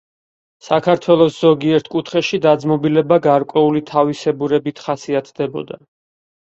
საქართველოს ზოგიერთ კუთხეში დაძმობილება გარკვეული თავისებურებით ხასიათდებოდა.